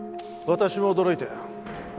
私も驚いたよ。